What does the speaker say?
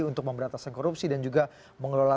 untuk memberantasan korupsi dan juga mengelola